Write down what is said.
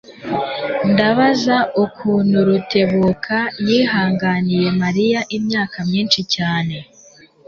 Ndabaza ukuntu Rutebuka yihanganiye Mariya imyaka myinshi cyane.